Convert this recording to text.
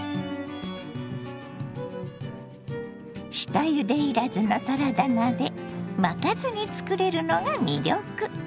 下ゆでいらずのサラダ菜で巻かずに作れるのが魅力。